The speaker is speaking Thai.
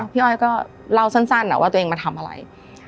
พี่อ้อยก็เล่าสั้นว่าตัวเองมาทำอะไร